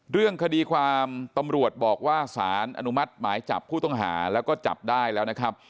เรื่องคดีความตำรวจบอกว่าสารอนุมัติหมายจับผู้ต้องหาแล้วก็จับได้แล้วนะครับ